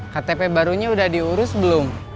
ktp barunya sudah diurus belum